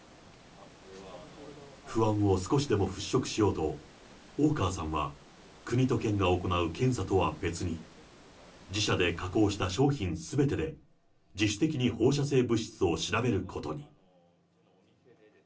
不安を少しでも払拭しようと、大川さんは、国と県が行う検査とは別に、自社で加工した商品すべてで、自主的に放射性物質を調べることに。